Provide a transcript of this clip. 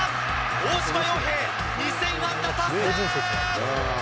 大島洋平、２０００安打達成！